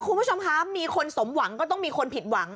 คุณผู้ชมคะมีคนสมหวังก็ต้องมีคนผิดหวัง